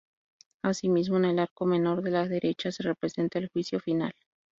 Así mismo, en el arco menor de la derecha se representa el juicio final.